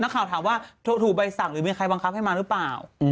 ข่าวถามว่าถูกใบสั่งหรือมีใครบังคับให้มาหรือเปล่า